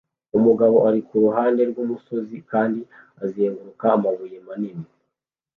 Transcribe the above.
Umugabo ari kuruhande rwumusozi kandi azenguruka amabuye manini